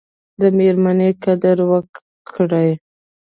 د میرمني قدر وکړئ